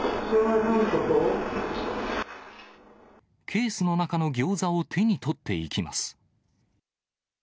ケースの中のギョーザを手に取っていきます。